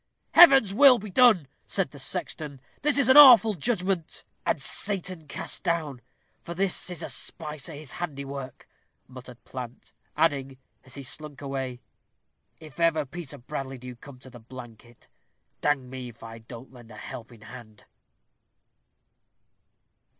"Heaven's will be done!" said the sexton; "this is an awful judgment." "And Sathan cast down; for this is a spice o' his handiwork," muttered Plant; adding, as he slunk away, "If ever Peter Bradley do come to the blanket, dang me if I don't lend a helpin' hand."